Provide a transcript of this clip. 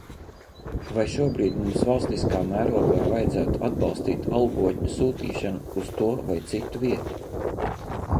Vai šobrīd mums valstiskā mērogā vajadzētu atbalstīt algotņu sūtīšanu uz to vai citu vietu?